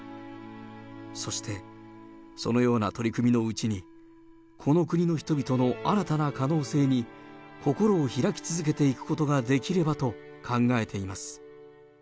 そしてそのような取り組みのうちに、この国の人々の新たな可能性に、心を開き続けていけることができればと考えています。